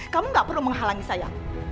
kamu gak perlu menghalangi saya